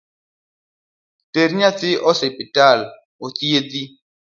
Ter nyathi osiptal othiedhi